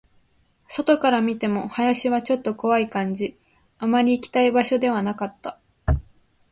外から見ても、林はちょっと怖い感じ、あまり行きたい場所ではなかった